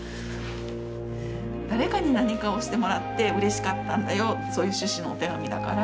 誰かに何かをしてもらってうれしかったんだよそういう趣旨のお手紙だから。